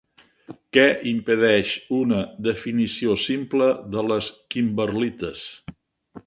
Què impedeix una definició simple de les kimberlites?